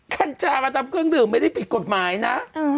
กัญชามาทำเครื่องดื่มไม่ได้ผิดกฎหมายนะ